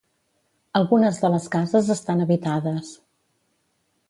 Algunes de les cases estan habitades.